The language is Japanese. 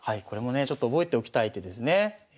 これもねちょっと覚えておきたい手ですね。